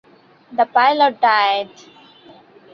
The pilot died.